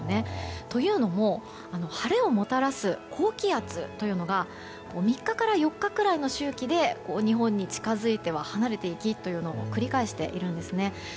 というのも、晴れをもたらす高気圧というのが３日から４日くらいの周期で日本に近づいては離れていきを繰り返しているんですね。